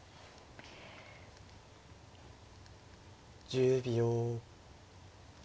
１０秒。